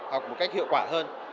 học một cách hiệu quả hơn